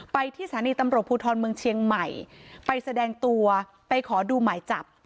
ที่สถานีตำรวจภูทรเมืองเชียงใหม่ไปแสดงตัวไปขอดูหมายจับ